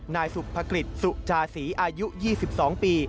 นายสุภกฤษสุจาศีอายุ๒๒ปี